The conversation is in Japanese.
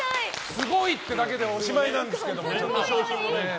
すごいってだけでおしまいなんですけど。